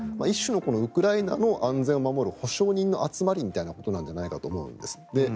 一種のウクライナの安全を守る保証人の集まりみたいなことなんじゃないかなと思うんです。